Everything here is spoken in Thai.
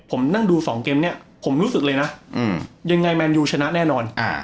ผมนั่งดูสองเกมเนี่ยผมรู้สึกเลยนะยังไงแมนยูชนะแน่นอน